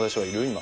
今。